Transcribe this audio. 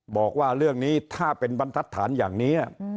บอกว่าเรื่องนี้ถ้าเป็นบรรทัศนอย่างนี้